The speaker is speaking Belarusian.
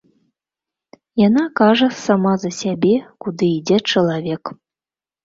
Яна кажа сама за сябе, куды ідзе чалавек.